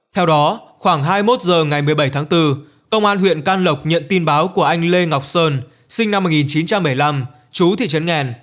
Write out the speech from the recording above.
theo đó khoảng hai mươi một h ngày một mươi bảy tháng bốn công an huyện can lộc nhận tin báo của anh lê ngọc sơn sinh năm một nghìn chín trăm bảy mươi năm chú thị trấn nghèn